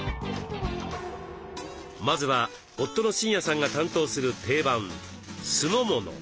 まずは夫の真也さんが担当する定番酢の物。